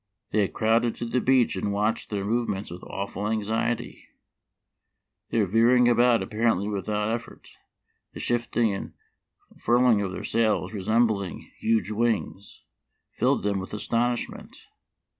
They had crowded to the beach and watched their movements with awful anxiety. Their veering about apparently without effort ; the shifting and furling of their sails, resembling huge wings, filled them with astonishment.